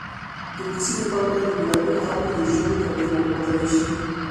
د کیسې لیکوال باید د بېلا بېلو خلکو د ژبې توپیر وښودلی شي